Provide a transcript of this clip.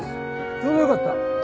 ちょうどよかった。